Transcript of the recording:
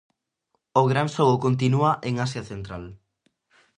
O gran xogo continúa en Asia Central.